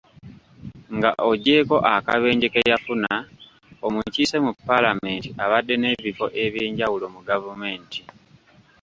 Nga oggyeeko akabenje ke yafuna, omukiise mu paalamenti abadde n'ebifo ebyenjawulo mu gavumenti.